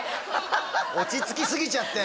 ハハハ落ち着きすぎちゃって？